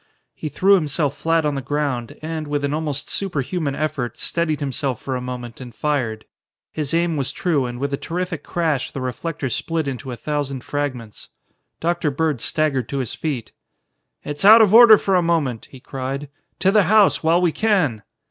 He threw himself flat on the ground, and, with an almost superhuman effort, steadied himself for a moment and fired. His aim was true, and with a terrific crash the reflector split into a thousand fragments. Dr. Bird staggered to his feet. "It's out of order for a moment!" he cried. "To the house while we can!"